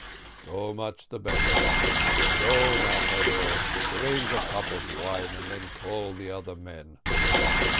"So much the better. Go now, Pedro, drink a cup of wine, and then call the other men."